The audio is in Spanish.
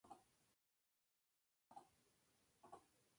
No continuó".